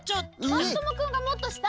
まさともくんがもっとした！